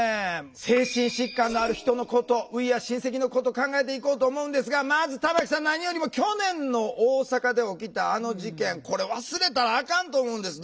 精神疾患のある人のことＷｅａｒｅシンセキ！のこと考えていこうと思うんですがまず玉木さん何よりも去年の大阪で起きたあの事件これ忘れたらあかんと思うんです。